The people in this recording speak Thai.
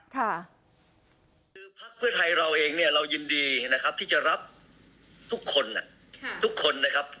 ภักดิ์เพื่อไทยเราเองเรายินดีที่จะรับทุกคนนะครับ